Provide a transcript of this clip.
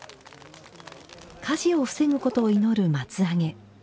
火事を防ぐことを祈る松上げ。